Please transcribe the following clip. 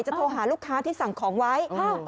โทรหาลูกค้าที่สั่งของไว้